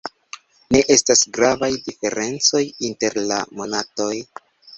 Ne estas gravaj diferencoj inter la monatoj.